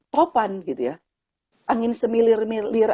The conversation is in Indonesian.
topan gitu ya angin semilir milir